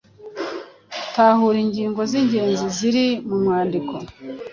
Tahura ingingo z’ingenzi ziri mu mwandiko.